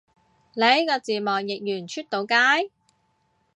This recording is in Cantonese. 呢個字幕譯完出到街？